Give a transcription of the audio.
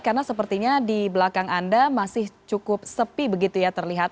karena sepertinya di belakang anda masih cukup sepi begitu ya terlihat